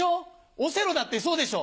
オセロだってそうでしょ。